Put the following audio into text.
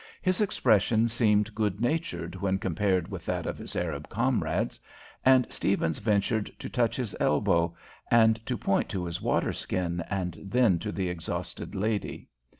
His expression seemed good natured when compared with that of his Arab comrades, and Stephens ventured to touch his elbow and to point to his water skin, and then to the exhausted lady.